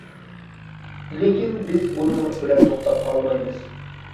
لېكىن بىز بۇنىڭلىق بىلەن توختاپ قالمايمىز.